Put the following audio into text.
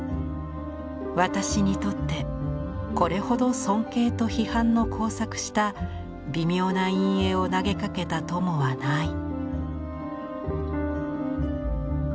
「私にとってこれほど尊敬と批判の交錯した微妙な陰影を投げかけた友はない」。